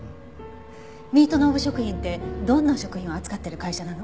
ミートノーブ食品ってどんな食品を扱ってる会社なの？